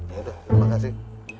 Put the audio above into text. ya udah makasih